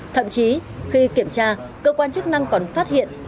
thậm chí khi kiểm tra cơ quan chức năng còn phát hiện